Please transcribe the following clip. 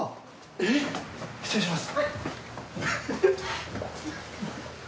えっ失礼します。